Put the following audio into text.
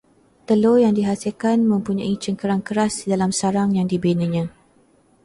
Telur yang dihasilkan mempunyai cangkerang keras di dalam sarang yang dibinanya